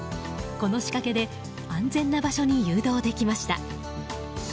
この仕掛けで安全な場所に誘導できました。